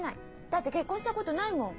だって結婚したことないもん。